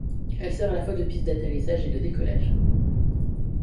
Elle sert à la fois de piste d'atterrissage et de décollage.